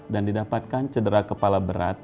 dan didapatkan cedera kepala berat